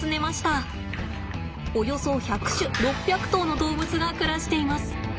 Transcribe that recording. およそ１００種６００頭の動物が暮らしています。